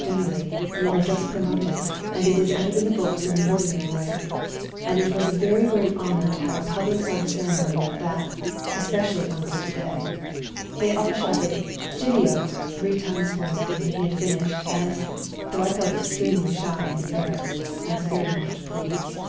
Generally you are just promoted, and it is entered in the books in the ordinary way, and it was a very great honour to have a public sort of ceremony like that, especially on such a day. They all shouted " Jivio " three times for me when he had finished, and, though I felt extremely shy and embarrassed, I was very much pleased.